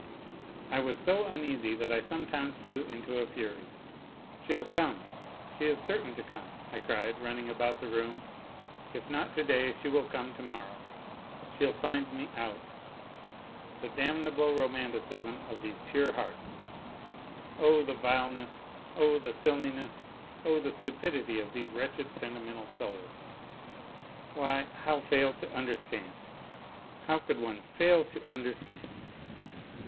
I was so uneasy that I some times flew into a fury :" She'll come, she is certain to come !" I cried, running about the room, " if not day, she will come to morrow ; she'll find me out ! The damnable romanticism of these pure hearts ! Oh, the vileness oh, the silliness oh, the stupidity of these ' wretched sentimental souls !' Why, how fail to understand? How could one fail to under stand?